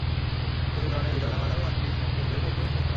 সংঘর্ষের কারণে বিকেল নাগাদ আরও আটটি কেন্দ্রের ভোট গ্রহণ স্থগিত করা হয়।